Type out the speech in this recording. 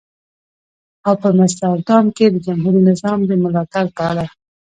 او په مستر دام کې د جمهوري نظام د ملاتړ په اړه.